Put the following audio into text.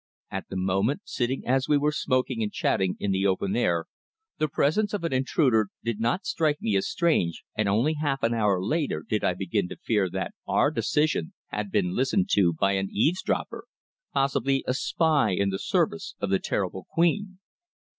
At the moment, sitting as we were smoking and chatting in the open air, the presence of an intruder did not strike me as strange, and only half an hour later did I begin to fear that our decision had been listened to by an eavesdropper, possibly a spy in the service of the terrible queen!